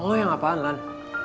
oh yang apaan lan